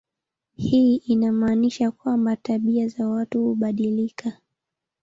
Hii inamaanisha kwamba tabia za watu hubadilika.